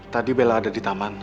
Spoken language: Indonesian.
tadi bella ada di taman